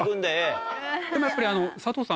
でもやっぱり。